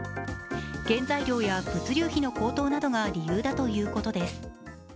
原材料や物流費の高騰などが理由だということです。